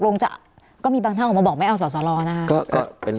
ลงจะก็มีบางท่าออกมาบอกไม่เอาสสรรนะฮะก็ก็เป็น